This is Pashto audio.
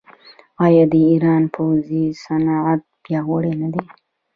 آیا د ایران پوځي صنعت پیاوړی نه دی؟